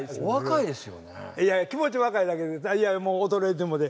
いや気持ち若いだけでいやもう衰えてもうて。